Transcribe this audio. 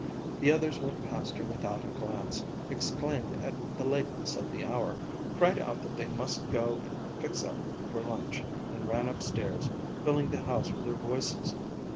The others went past her without a glance, exclaimed at the lateness of the hour, cried out that they must go and "fix up" for lunch, and ran upstairs, filling the house with their voices.